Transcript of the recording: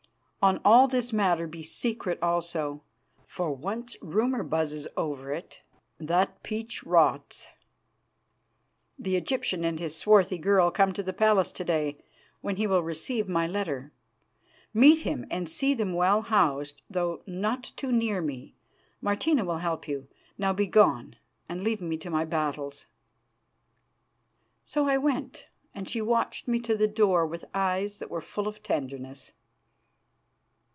On all this matter be secret also, for once rumour buzzes over it that peach rots. The Egyptian and his swarthy girl come to the palace to day, when he will receive my letter. Meet him and see them well housed, though not too near me; Martina will help you. Now be gone and leave me to my battles." So I went, and she watched me to the door with eyes that were full of tenderness.